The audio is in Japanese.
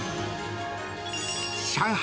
上海